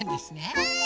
はい。